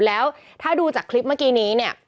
แล้วถ้าดูจากคลิปเมื่อกี้นี้เนี่ย